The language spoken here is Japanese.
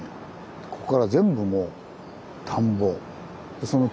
ここから全部もう田んぼ。